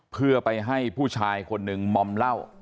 เพื่อไปให้ผู้ชายคนหนึ่งมอมเหล้า